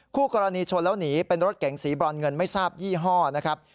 คู่กรณีชนแล้วหนีเป็นรถเก๋งสีบรอนเงินไม่ทราบยี่ห้อนะครับ